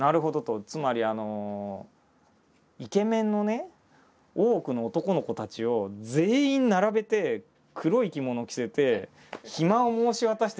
つまりイケメンの大奥の男の子たちを全員並べて黒い着物を着せて暇を申し渡して出てけ！